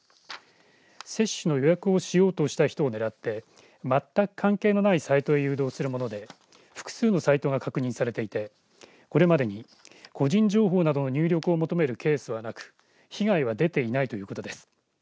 接種の予約をしようとした人を狙って全く関係のないサイトへ誘導するもので複数のサイトが確認されていてこれまでに個人情報などの入力を求めるケースはなく被害は出ていないということです。